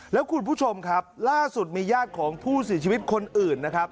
แล้วคุณผู้ชมครับล่าสุดมีญาติของผู้เสียชีวิตคนอื่นนะครับ